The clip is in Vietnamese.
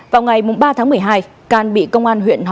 vào ngày ba tháng một mươi hai can bị công an huyện hàm